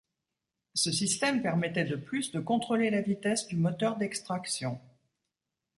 Ce système permettait de plus de contrôler la vitesse du moteur d'extraction.